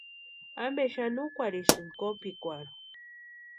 ¿Ampe xani úkwarhisïnki kopikwarhu?